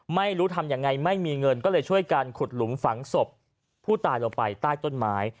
ไม่รู้ทำยังไงไม่มีเงินก็เลยช่วยการขุดหลุมฝังศพผู้ตายลงไปใต้ต้นไม้